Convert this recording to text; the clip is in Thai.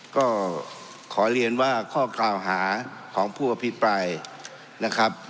ก็ขอเรียนว่าข้อกล่าวหาของผู้อภิปรายนะครับ